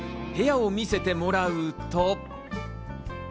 部屋を見せてもらうと。